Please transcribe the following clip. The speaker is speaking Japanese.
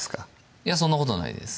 いやそんなことないです